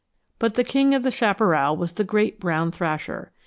But the king of the chaparral was the great brown thrasher.